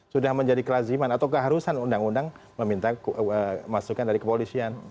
sudah menjadi kelaziman atau keharusan undang undang meminta masukan dari kepolisian